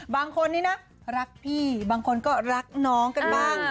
บางคนนี้นะรักพี่บางคนก็รักน้องกันบ้าง